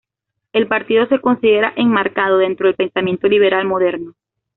El partido se considera enmarcado dentro del pensamiento liberal moderno.